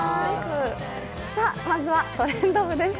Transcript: まずは「トレンド部」です。